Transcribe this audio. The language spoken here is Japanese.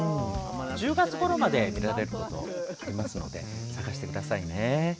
１０月ごろまで見られることもあるので探してくださいね。